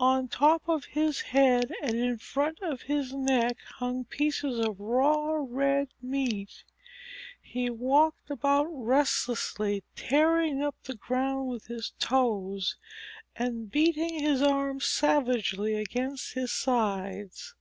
"On top of his head and in front of his neck hung pieces of raw red meat. He walked about restlessly, tearing up the ground with his toes, and beating his arms savagely against his sides.